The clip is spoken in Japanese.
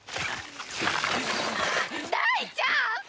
大ちゃん！